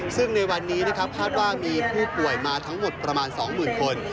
ซึ่งในวันนี้นะครับคาดว่ามีผู้ป่วยมาทั้งหมดประมาณ๒๐๐๐คน